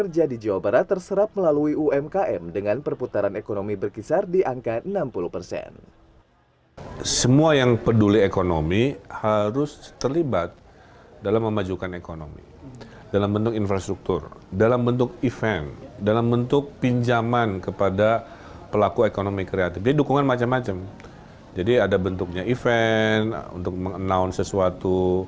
jawa barat dua ribu dua puluh tiga